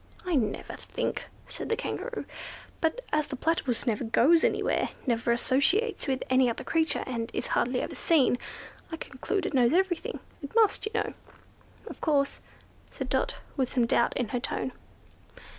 "I never think," said the Kangaroo, "but as the Platypus never goes anywhere, never associates with any other creature, and is hardly ever seen, I conclude it knows everything—it must, you know." "Of course," said Dot, with some doubt in her tone.